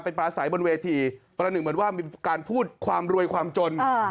ปลาใสบนเวทีประหนึ่งเหมือนว่ามีการพูดความรวยความจน